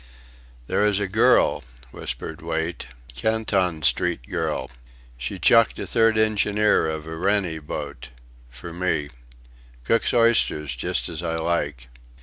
"There is a girl," whispered Wait.... "Canton Street girl. She chucked a third engineer of a Rennie boat for me. Cooks oysters just as I like...